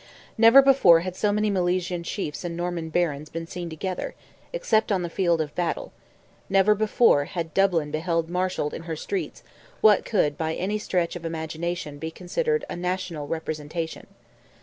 Never before had so many Milesian chiefs and Norman barons been seen together, except on the field of battle; never before had Dublin beheld marshalled in her streets what could by any stretch of imagination be considered a national representation.